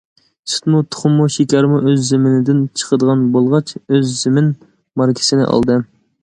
سۈتمۇ، تۇخۇممۇ، شېكەرمۇ ئۆز زېمىنىمىزدىن چىقىدىغان بولغاچ،‹‹ ئۆز زېمىن›› ماركىسىنى ئالدىم.